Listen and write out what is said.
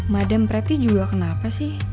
madam pretty juga kenapa sih